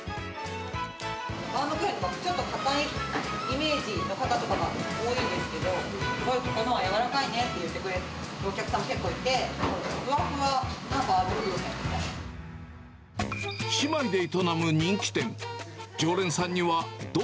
バウムクーヘンってちょっとかたいイメージの方とかが多いんですけど、ここのは柔らかいねって言ってくださるお客さん、結構いて、ふわふわなバウムクー姉妹で営む人気店。